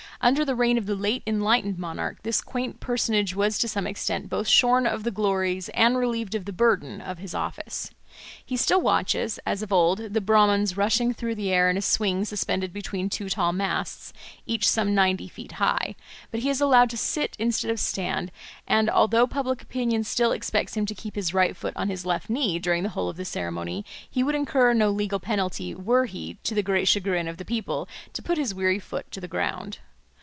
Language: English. Under the reign of the late enlightened monarch this quaint personage was to some extent both shorn of the glories and relieved of the burden of his office. He still watches, as of old, the Brahmans rushing through the air in a swing suspended between two tall masts, each some ninety feet high; but he is allowed to sit instead of stand, and, although public opinion still expects him to keep his right foot on his left knee during the whole of the ceremony, he would incur no legal penalty were he, to the great chagrin of the people, to put his weary foot to the ground.